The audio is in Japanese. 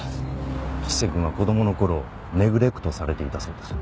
吉瀬くんは子供の頃ネグレクトされていたそうです。